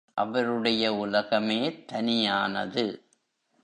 அவருடைய உலகமே தனியானது.